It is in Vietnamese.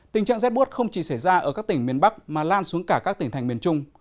tình trạng rét bút không chỉ xảy ra ở các tỉnh miền bắc mà lan xuống cả các tỉnh thành miền trung